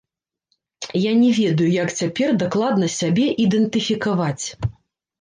Я не ведаю, як цяпер дакладна сябе ідэнтыфікаваць.